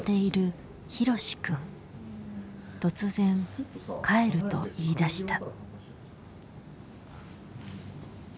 突然「帰る」と言い出した。